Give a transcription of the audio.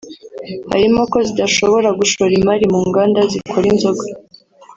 Harimo ko zidashobora gushora imari mu nganda zikora inzoga